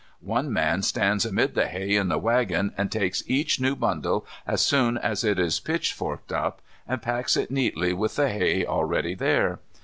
One man stands amid the hay in the waggon and takes each new bundle as soon as it is pitchforked up, and packs it neatly with the hay already there.